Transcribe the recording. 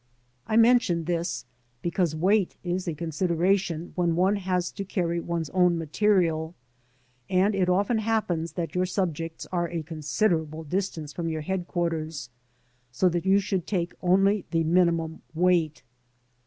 I mention this, because weight is a consideration when one has to carry one's own material, and it often happens that your subjects are a considerable distance from your headquarters, so that you should take only the minimum weight.